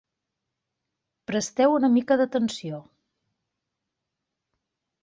Presteu una mica d'atenció.